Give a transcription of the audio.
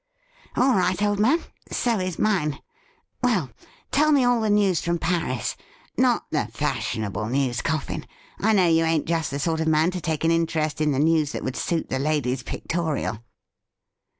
' All right, old man ; so is mine. Well, tell me all the news from Paris. Not the fashionable news. Coffin. I know you ain't just the sort of man to take an interest in the news that would suit the Ladies' Pictorial.''